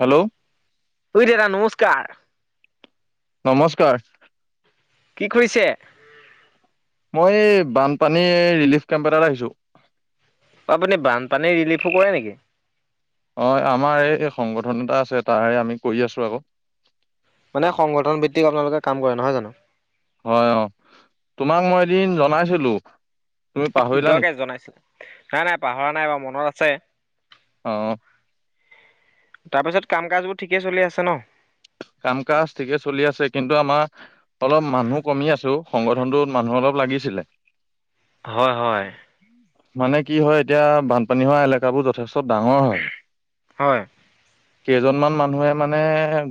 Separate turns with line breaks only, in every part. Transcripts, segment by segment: Hello
এই দাদা নমস্কাৰ
নমস্কাৰ
কি কৰিছে?
মই বানপানী ৰিলিফ কেম্প এটাত আহিছো।
আপুনি বানপানী ৰিলিফো কৰে নেকি?
অ আমাৰ এই এই সংগঠন এটা আছে তাৰে আমি কৰি আছো আক।
মানে সংগঠন ভিত্তিক আপোনালোকে কাম কৰে নহয় জানো
হয় অ তোমাক মই এদিন জনাইছিলো তুমি পাহৰিলা
দকে
নেকি
জনাইছো নাই নাই পাহৰা নাই বাৰ মনত আছে।
অ
তাৰপিছত কাম কাজ বোৰ ঠিকেই চলি আছে ন?
কাম কাজ ঠিকে চলি আছে কিন্তু আমাৰ অলপ মানুহ কমি আছো। সংগঠনটোত মানুহ অলপ লাগিছিলে
হয় হয়
মানে কি হয় এতিয়া বানপানী হোৱা এলেকাবোৰ যথেষ্ট- চব ডাঙৰ হয়
হয়
কেইজনমান মানুহে মানে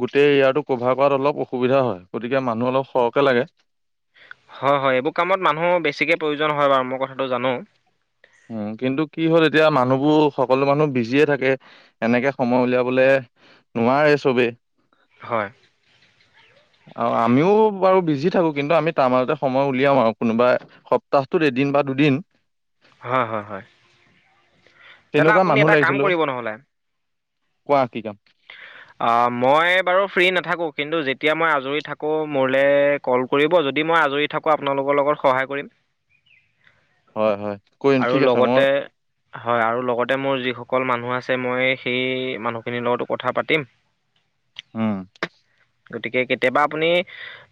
গোটেই এয়াটো কভাৰ কৰাত অলপ অসুবিধা হয়। গতিকে মানুহ অলপ সৰহকে লাগে।
হয় হয় এইবোৰ কামত মানুহ বেছিকে প্ৰয়োজন হয় বাৰু মই কথাটো জানো।
উম, কিন্তু কি হ'ল এতিয়া মানুহবোৰ সকলো মানুহ বিজিয়ে থাকে এনেকে সময় উলিয়াবলে নোৱাৰে চবেই।
হয়
অ আমিও বাৰু বিজি থাকো। কিন্তু আমি তাৰ মাজতে সময় উলিয়াও আৰু কোনোবা সপ্তাহটোত এদিন বা দুদিন
হয় হয় হয় দাদা
তেনেকুৱা
আপুনি
মানুহ
এটা কাম
লাগিছিলে অ',
কৰিব নহ'লে
কোৱা কি কাম
আহ মই বাৰু ফ্ৰী নথা- থাকোঁ কিন্তু যেতিয়া মই আজৰি থাকোঁ মোলে কল কৰিব যদি মই আজৰি থাকোঁ আপোনালোকৰ লগত সহায় কৰিম।
হয় হয় [unintelligible]
আৰু
ঠিক আছে
লগতে
মই-
হয় আৰু লগতে মোৰ যিসকল মানুহ আছে মই সেই মানুহখিনিৰ লগতো কথা পাতিম।
উম
গতিকে কেতিয়াবা আপুনি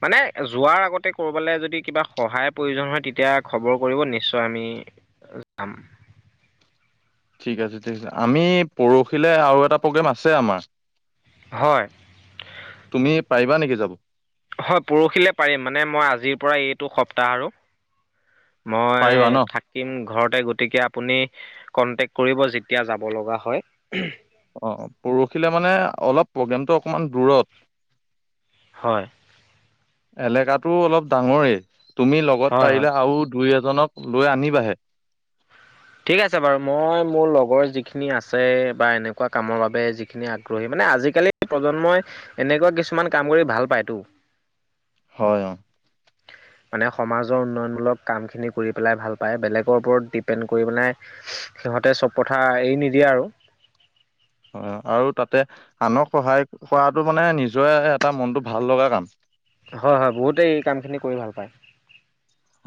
মানে যোৱাৰ আগতে কৰবালৈ যদি কিবা সহায় প্ৰয়োজন হয় তেতিয়া খবৰ কৰিব নিশ্চয় আমি যাম।
ঠিক আছে ঠিক আছে আমি পৰহিলৈ আৰু এটা প্ৰগ্ৰেম আছে আমাৰ।
হয়
তুমি পাৰিবা নেকি যাব- [inaudible]
হয় পৰহিলে পাৰিম মানে মই আজিৰ পৰা এইটো সপ্তাহ আৰু
পাৰিবা
মই
ন?
থাকিম ঘৰতে গতিকে আপুনি কন্টেক্ট কৰিব যেতিয়া যাব লগা হয়
অ পৰহিলে মানে অলপ প্ৰগ্ৰেমটো অকণমান দূৰত।
হয়
এলেকাটো অলপ ডাঙৰেই তুমি
হয়
লগত
হয়
পাৰিলা আৰু দুই এ- জনক লৈ আনিবাহে
ঠিক আছে বাৰু মই মোৰ লগৰ যিখিনি আছে বা এনেকোৱা কামৰ বাবে যিখিনি আগ্ৰহী মানে আজিকালি প্ৰজন্মই এনেকোৱা কিছুমান কাম কৰি ভাল পায়তো
হয় অ
মানে সমাজৰ উন্নয়নমূলক কামখিনি কৰি পেলাই ভাল পায় বেলেগৰ ওপৰত ডিপেণ্ড কৰি পেলাই সিহতে চব কথা এৰি নিদিয়ে আৰু
হয় আৰু তাতে আনক সহায় কৰাটো মানে নিজৰে এটা মনটো ভাল লগা কাম
হয় হয় বহুতেই এই কামখিনি কৰি ভাল পায়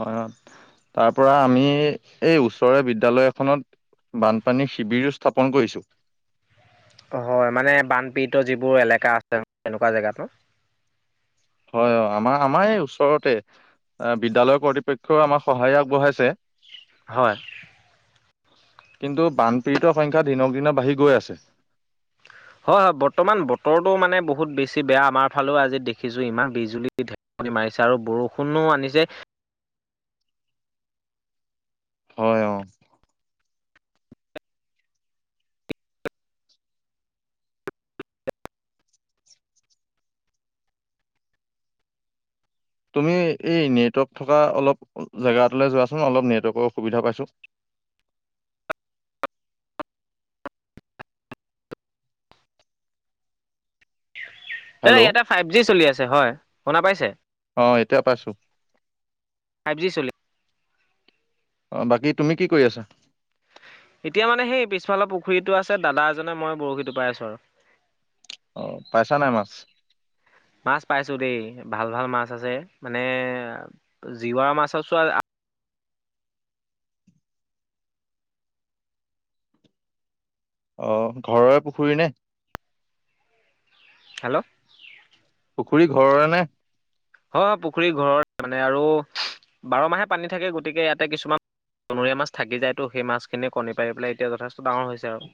হয় তাৰ পৰা আমি এই ওচৰৰে বিদ্যালয় এখনত বানপানী শিবিৰো স্থাপন কৰিছোঁ
হয় মানে বানপীড়িত যিবোৰ এলেকা আছে এনেকোৱা জেগাতো
হয় অ আমাৰ আমাৰ এই ওচৰতে বিদ্যালয়ৰ কৰ্তৃপক্ষই আমাক সহায় আগবঢ়াইছে
হয়
কিন্তু বানপীড়িত সংখ্যা দিনক দিনৰ বাঢ়ি গৈ আছে
হয় হয় বৰ্তমান বতৰটো মানে বহুত বেছি বেয়া আমাৰ ফালেও আজি দেখিছোঁ ইমান বিজুলী ঢেৰকনি মাৰিছে আৰু বৰষুণো আনিছে
হয় অ তুমি এই নেটৱৰ্ক থকা অলপ জেগা এটালৈ যোৱাচোন অলপ নেটৱৰ্কৰ অসুবিধা পাইছো
দাদা
হেল্ল'
ইয়াতে ফাইভ জি চলি আছে হয় শুনা পাইছে
অহ এতিয়া পাইছো
ফাইভ জি চলি
অ বাকী তুমি কি কৰি আছা
এতিয়া মানে সেই পিছফালৰ পুখুৰীতটো আছে দাদা এজনে মই বৰশী টোপাই আছো আৰু
অ পাইছা নাই মাছ
মাছ পাইছো দেই ভাল ভাল মাছ মাছ আছে মানে জিৱৰা মাছ আ চোৱা
অ ঘৰৰে পুখুৰী নে
হেল্ল'
পুখুৰী ঘৰৰে নে
হয় হয় পুখুৰী ঘৰৰে মানে আৰু বাৰ মাহে পানী থাকে গতিকে ইয়াতে কিছুমান বনৰীয়া মাছ থাকি যায় তো সেই মাছখিনিয়ে কণী পাৰি পেলাই এতিয়া যথেষ্ট ডাঙৰ হৈছে আৰু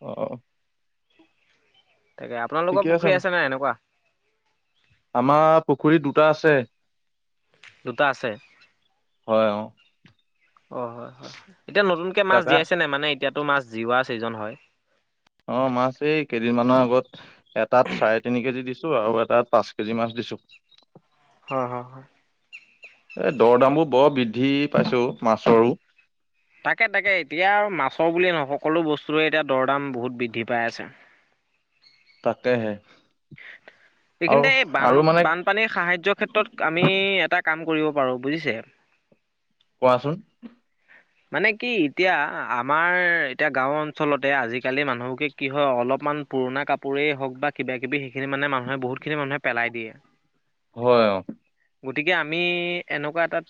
অ',
তাকে আপোনালোকৰ পুখুৰী আছে নাই এনেকোৱা
আমাৰ পুখুৰী দুটা আছে
দুটা আছে
হয় অ',
অ হয় হয় এতিয়া নতুনকে মাছ
তাকা
দিয়াইছে নাই মানে এতিয়াতো মাছ জিওৱা ছিজন হয়
অ মাছে এই কেইদিনমানৰ আগত এটাত চাৰে তিনি কেজি দিছে আৰু এটা পাঁচ কেজি মাছ দিছো
হয় হয় হয়
এ দৰ দাম বোৰ বৰ বৃদ্ধি পাইছে অ মাছৰো
তাকে তাকে এতিয়া আৰু মাছৰ বুলিয়ে নহয় সকলো বস্তুৰে এতিয়া দৰ দাম বহুত বৃদ্ধি বৃদ্ধি পাই আছে
তাকে হে
এইখিনিতে এই বান
মানে
বানপানীৰ সাহায্যৰ ক্ষেত্ৰত আমি এটা কাম কৰিব পাৰো বুজিছে
কোৱাচোন
মানে কি এতিয়া আমাৰ এতিয়া গাও অঞ্চলতে আজিকালি মানুহকে কি হয় অলপমান পুৰণা কাপোৰেই হওক বা কিবা কিবি সেইখিনি মানে মানুহে বহুতখিনি মানুহে পেলাই দিয়ে।
হয় অ'।
গতিকে আমি এনেকুৱা এটাত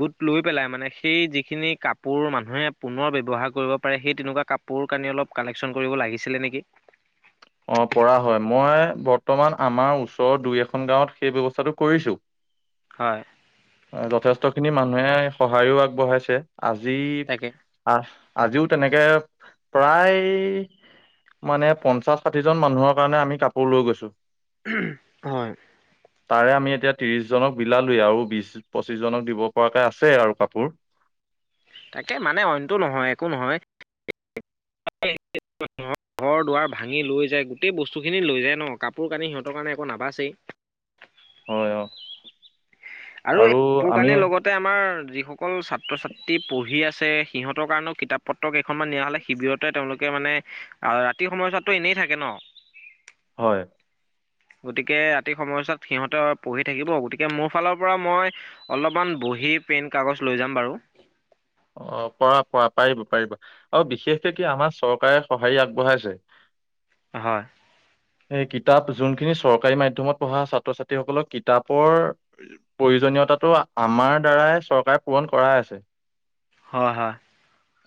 গোট লৈ পেলাই, মানে সেই যিখিনি কাপোৰ কাপোৰ মানুহে পুনৰ ব্যৱহাৰ কৰিব পাৰে, সেই তেনেকুৱা কাপোৰ-কানি অলপ কালেকছন কৰিব লাগিছিলে নেকি?
অ পৰা হয়। মই বৰ্তমান আমাৰ ওচৰৰ দুই-এখন গাঁৱত সেই ব্যৱস্থাটো কৰিছো
হয়।
যথেষ্ট খিনি মানুহে সহায়ো আগবঢ়াইছে। আজি
তাকে।
[unintelligible] আজিও তেনেকে প্ৰায় মানে পঞ্চাশ-ষাঠিজন মানুহৰ কাৰণে আমি কাপোৰ লৈ গৈছো।
হয়।
তাৰে আমি এতিয়া ত্ৰিশজনক বিলালোৱে আৰু বিশ পঁচিশ জনক দিব পৰাকে আছে আৰু কাপোৰ।
তাকে মানে অইনটো নহয়। একো নহয়। ঘৰ দুৱাৰ ভাঙি লৈ যায়। গোটেই বস্তুখিনি লৈ যায় ন। কাপোৰ-কানি সিহঁতৰ কাৰণে একো নাবাচেই।
হয়। অহ।
আৰু এই কাপোৰ-কানিৰ লগতে আমাৰ যিসকল অকল ছাত্ৰ ছাত্ৰী পঢ়ি আছে, সিহঁতৰ কাৰণেও কিতাপ-পত্ৰ কেইখনমান নিয়া হলে, শিবিৰতে তেওঁলোকে মানে ৰাতিৰ সময়ছোৱাতটো এনেই থাকে ন।
হয়।
গতিকে ৰাতি সময়চোৱাত সিহঁতে পঢ়ি থাকিব। গতিকে মোৰ ফালৰ পৰা মই অলপমান বহি, পেন, কাগজ লৈ যাম বাৰু।
অ পৰা। পৰা। পাৰিব। পাৰিব। আৰু বিশেষকে কি আমাৰ চৰকাৰে সঁহাৰি আগবঢ়াইছে?
হয়।
এই কিতাপ যোনখিনি চৰকাৰী মাধ্যমত পঢ়া ছাত্ৰ-ছাত্ৰীসকলক কিতাপৰ প্ৰয়োজনীয়তাটো আমাৰ দ্বাৰাই চৰকাৰে পূৰণ কৰাই আছে।
হয় -হয়।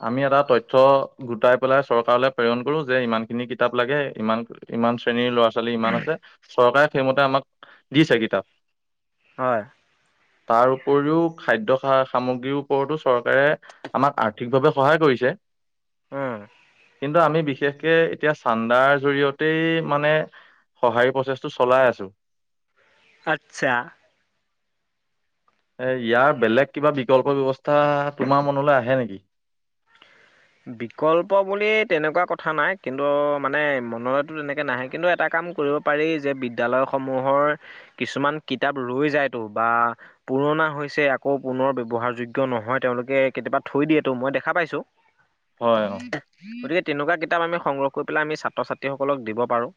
আমি এটা তথ্য গোটাই পেলাই চৰকাৰলৈ প্ৰেৰণ কৰো যে, ইমান খিনি কিতাপ লাগে। ইমান- ইমান শ্ৰেণীৰ ল'ৰা ছোৱালী -ছোৱালী ইমান আছে। চৰকাৰে সেইমতে আমাক, দিছে কিতাপ।
হয়
তাৰ উপৰিও খাদ্য-সামগ্ৰীৰ ওপৰতো চৰকাৰে আমাক আৰ্থিকভাৱে সহায় কৰিছে।
উম
কিন্তু আমি বিশেষকে এতিয়া চান্দাৰ জৰিয়তেই মানে সঁহাৰি প্ৰচেছটো চলাই আছো।
আচ্ছা
এ ইয়াৰ বেলেগ কিবা বিকল্প ব্যৱস্থা তোমাৰ মনলৈ আহে নেকি?
বিকল্প বুলি তেনেকুৱা কথা নাই। কিন্তু মানে মনলৈতো তেনেকে নাহে। কিন্তু এটা কাম কৰিব পাৰি যে বিদ্যালয়সমূহৰ কিছুমান কিতাপ ৰৈ যায়তো বা পুৰণা হৈছে। আকৌ পুনৰ ব্যৱহাৰযোগ্য নহয়। তেওঁলোকে কেতিয়াবা থৈ দিয়েতো। মই দেখা পাইছো।
হয়
গতিকে তেনেকুৱা কিতাপ আমি সংগ্ৰহ কৰি পেলাই আমি ছাত্ৰ ছাত্ৰীসকলক দিব পাৰো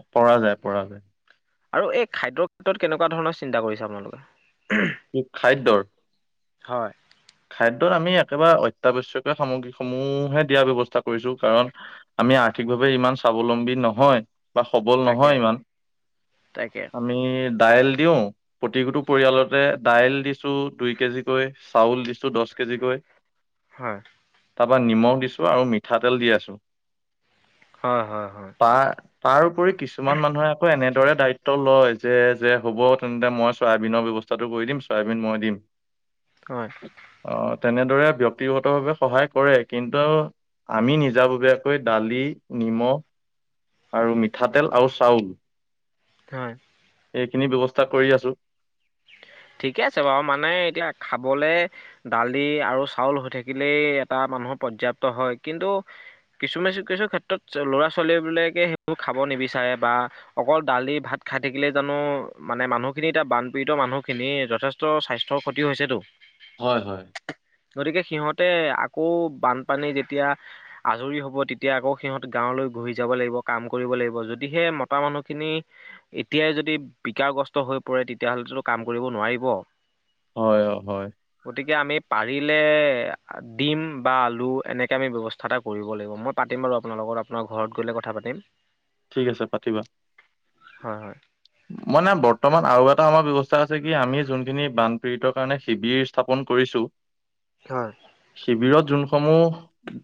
অ পৰা যায়। পৰা যায়।
আৰু এই খাদ্যৰ ক্ষেত্ৰত কেনেকুৱা ধৰণৰ চিন্তা কৰিছে আপোনালোকে?
কি খাদ্যৰ?
হয়।
খাদ্যত আমি একেবাৰে অত্যাৱশ্যকীয় সামগ্ৰীসমূহহে দিয়াৰ ব্যৱস্থা কৰিছো। কাৰণ আমি আৰ্থিকভাৱে ইমান স্বাৱলম্বী নহয়। বা সবল
তাকে
নহয় ইমান।
তাকে
আমি দাইল দিও। প্ৰতিটো পৰিয়ালতে দাইল দিছো দুই কেজিকৈ। চাউল দিছো- দহ কেজিকৈ,
হয়।
তাৰপৰা নিমখ দিছোঁ আৰু মিঠাতেল দি আছোঁ।
হয় হয় হয়।
পাৰ, কিছুমান মানুহে আকৌ এনে দৰে দায়িত্ব লয় যে যে হ'ব তেন্তে মই চয়াবিনৰ ব্যয়ৱস্থাটো কৰি দিম চয়াবিন মই দিম।
হয়।
অ তেনেদৰে ব্যক্তিগতভাৱে সহায় কৰে কিন্তু আমি নিজাববীয়াকৈ দালি, নিমখ, আৰু মিঠাতেল আৰু চাউল।
হয়।
এইখিনি ব্যৱস্থা কৰি আছো।
ঠিকে আছে বাৰু মানে এতিয়া খাবলে দালি আৰু চাউল হৈ থাকিলেই এটা মানুহ পৰ্যাপ্ত হয় কিন্তু কিছুমানকিছু ক্ষেত্ৰত ল'ৰা ছোৱালীবিলকে সেইবোৰ খাব নিবিচাৰে বা অকল দালি ভাত খাই থাকিলে জানো মানে মানুহখিনি এতিয়া বানপীড়িত মানুহ। খিনি যথেষ্ট স্বাস্থ্যৰ ক্ষতিও হৈছেতো।
হয় হয়।
গতিকে সিহঁতে আকৌ বানপানী যেতিয়া আজৰি হব তেতিয়া আকৌ সিহঁত গাঁৱলৈ ঘূৰি যাব লাগিব কাম কৰিব লাগিব যদিহে মতা মানুহখিনি এতিয়াই যদি বিকাৰ গ্ৰস্ত হৈ পৰে তেতিয়াহলেটো কাম কৰিব নোৱাৰিব।
হয়, অ', হয়,
গতিকে আমি পাৰিলে, ডিম বা আলু এনেকে আমি ব্যৱস্থা এটা কৰিব লাগিব মই পাতিম বাৰু আপোনাৰ লগত আপোনাৰ ঘৰত গ'লে কথা পাতিম।
ঠিক আছে পাতিবা
হয় হয়।
মানে বৰ্তমান আৰু এটা আমাৰ ব্যৱস্থা। আছে কি আমি যোনখিনি বানপীড়িতৰ কাৰণে শিবিৰ স্থাপন কৰিছো।
হয়
শিবিৰধ, যোনসমূহ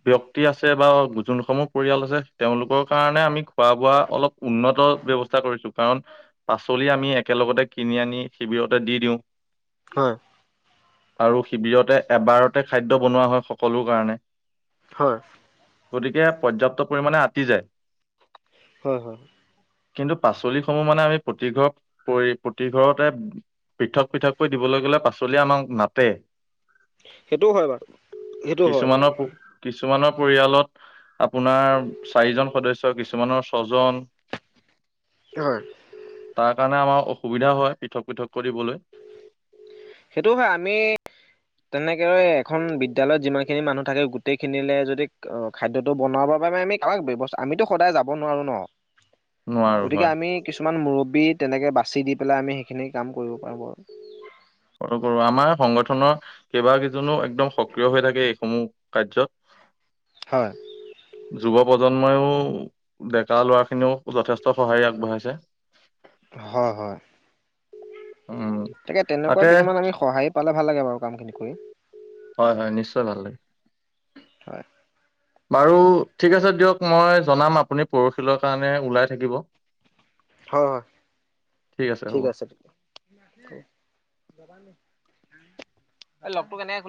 ব্যক্তি আছে বা যোনসমূহ পৰিয়াল আছে তেওঁলোকৰ কাৰণে আমি, খোৱা বোৱা অলপ উন্নত ব্যৱস্থা কৰিছোঁ। কাৰণ পাচলি আমি একেলগতে কিনি আনি শিবিৰতে দি দিওঁ।
হয়।
আৰু শিবিৰতে এবাৰতে খাদ্য বনোৱা হয়। সকলো কাৰণে
হয়।
গতিকে পৰ্যাপ্ত পৰিমানে আতি যায়।
হয় হয়।
কিন্তু পাচলি সমূহ মানে আমি প্ৰতি ঘ পৰি প্ৰতি ঘৰতে পৃথক পৃথককৈ দিবলৈ গলে পাচলিয়ে আমাক নাটে।
সেইটোও হয় বাৰু সেইটোও হয়।
কিছুমানৰ কিছুমানৰ পৰিয়ালত আপোনাৰ চাৰিজন সদস্য। চ কিছুমানৰ ছজন
হয়।
তাৰ কাৰণে আমাৰ অসুবিধা হয় পৃথক পৃথক কৰিবলৈ।
সেইটো হয় আমি তেনেকে এখন বিদ্যালয়ত যিমান খিনি মানুহ থাকে গোটেইখিনিলে যদি খাদ্যটো বনাব বাবে আমি কাৰাক ব্যৱস্থা আমিতো সদায় যাব নোৱাৰো ন।
নোৱাৰো
গতিকে
হয়
আমি কিছুমান মুৰব্বীত, তেনেকৈ বাচি দি পেলাই আমি সেইখিনি কাম কৰিব পাৰোঁ বাৰু।
সৰু কৰো আমাৰ সংগঠনৰ কেইবা কেইজনো একদম সক্ৰিয় হৈ থাকে এইসমূহ কাৰ্যত
হয়
যুৱ প্ৰজন্মইও। ডেকা ল'ৰা খিনিও যথেষ্ট সহায়ি আগবঢ়াইছে।
হয়, হয়।
উম,
তাকে তেনেকুৱা কিছুমান আমি সহায় পালে ভাল লাগে বাৰু কামখিনি কৰি।
হয়, হয় নিশ্চয় ভাল লাগে।
হয়।
আৰু ঠিক আছে দিয়ক মই জনাম আপুনি পৰশিলৈ কাৰণে ওলাই থাকিব।
হয়, হয় [inaudible] ঠিক আছে তেতিয়া [inaudible] এ লগটো কেনেক খোল